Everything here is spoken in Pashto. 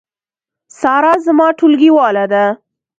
سارا زما ټولګیواله ده